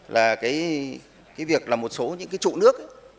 là cái việc là một số những trụ nước